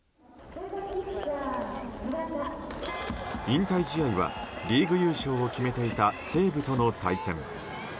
引退試合は、リーグ優勝を決めていた西武との対戦。